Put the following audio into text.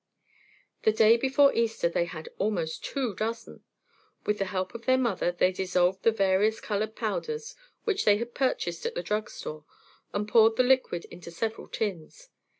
The day before Easter they had almost two dozen. With the help of their mother they dissolved the various colored powders which they had purchased at the drug store and poured the liquid into several tins.